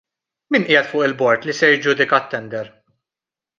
Min qiegħed fuq il-bord li se jiġġudika t-tender?